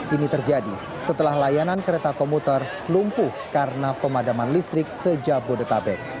ini terjadi setelah layanan kereta komuter lumpuh karena pemadaman listrik sejak bodetabek